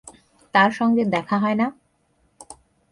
তাঁর সঙ্গে দেখা হয় না?